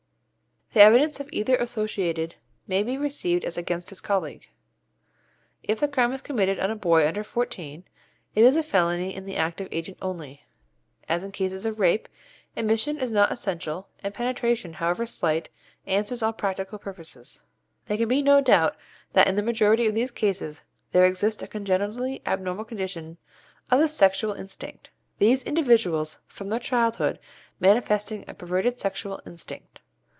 The evidence of either associated may be received as against his colleague. If the crime is committed on a boy under fourteen, it is a felony in the active agent only. As in cases of rape, emission is not essential, and penetration, however slight, answers all practical purposes. There can be no doubt that in the majority of these cases there exists a congenitally abnormal condition of the sexual instinct, these individuals from their childhood manifesting a perverted sexual instinct.